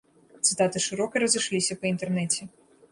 Цытаты шырока разышліся па інтэрнэце.